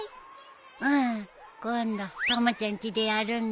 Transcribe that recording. うん今度たまちゃんちでやるんだ。